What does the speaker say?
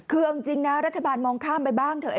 คือเอาจริงนะรัฐบาลมองข้ามไปบ้างเถอะ